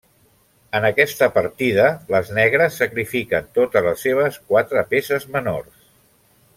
En aquesta partida, les negres sacrifiquen totes les seves quatre peces menors.